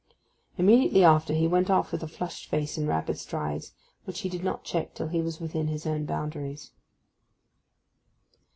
Immediately after he went off with a flushed face and rapid strides, which he did not check till he was within his own boundaries.